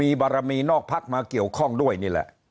มีบารมีนอกพักมาเกี่ยวข้องด้วยนี่แหละ